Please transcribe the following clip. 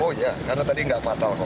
oh iya karena tadi nggak fatal kok